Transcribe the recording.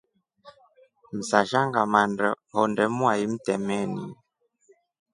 Msasha ngama honde mwai mtemeni.